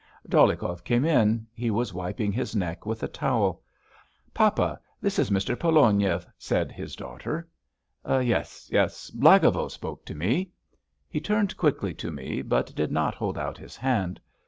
Dolyhikov came in. He was wiping his neck with a towel. "Papa, this is Mr. Pologniev," said his daughter. "Yes, yes. Blagovo spoke to me." He turned quickly to me, but did not hold out his hand.